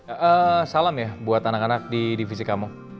eh salam ya buat anak anak di divisi kamu